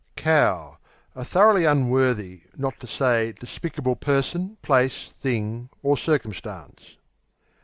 Cow A thoroughly unworthy, not to say despicable, person, place, thing, or circumstance.